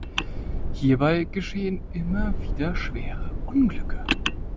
Hierbei geschehen immer wieder schwere Unglücke.